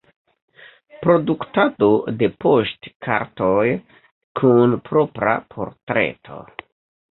Produktado de poŝtkartoj kun propra portreto.